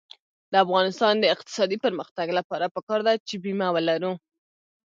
د افغانستان د اقتصادي پرمختګ لپاره پکار ده چې بیمه ولرو.